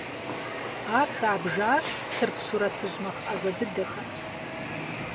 Ар хабжащ тырку сурэтыщӀ нэхъ Ӏэзэ дыдэхэм.